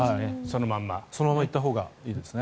そのまま行ったほうがいいですね。